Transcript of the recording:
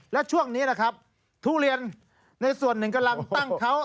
และช่วงนี้นะครับทุเรียนในส่วนหนึ่งกำลังตั้งเขา